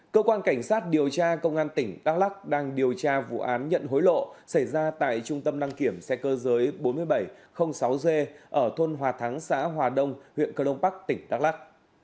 cơ quan cảnh sát điều tra công an tỉnh đắk lắc đang điều tra vụ án nhận hối lộ xảy ra tại trung tâm đăng kiểm xe cơ giới bốn nghìn bảy trăm linh sáu g ở thôn hòa thắng xã hòa đông huyện crong park tỉnh đắk lắc